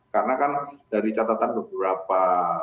karena kan dari catatan beberapa